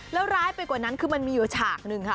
แล้วร้ายไปกว่านั้นคือมันมีอยู่ฉากหนึ่งค่ะ